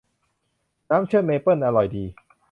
น้ำเชื่อมเมเปิลอร่อยดี